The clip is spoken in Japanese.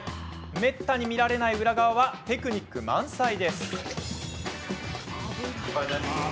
めったに見られない裏側はテクニック満載です。